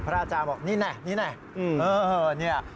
พระอาจารย์บอกนี่แหละนี่แหละ